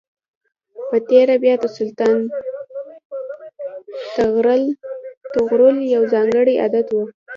په تېره بیا د سلطان طغرل یو ځانګړی عادت و.